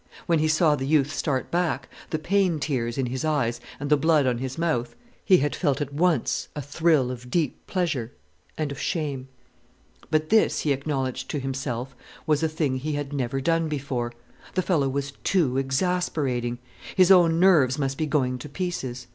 When he saw the youth start back, the pain tears in his eyes and the blood on his mouth, he had felt at once a thrill of deep pleasure and of shame. But this, he acknowledged to himself, was a thing he had never done before. The fellow was too exasperating. His own nerves must be going to pieces.